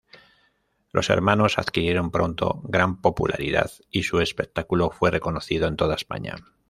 Los hermanos adquirieron pronto gran popularidad y su espectáculo fue reconocido en toda España.